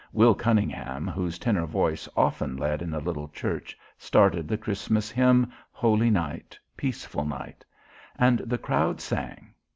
Will Cunningham, whose tenor voice often led in the little church, started the Christmas hymn "Holy Night, Peaceful Night," and the crowd sang.